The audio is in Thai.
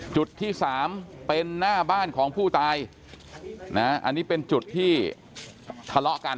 จุดที่สามเป็นหน้าบ้านของผู้ตายนะอันนี้เป็นจุดที่ทะเลาะกัน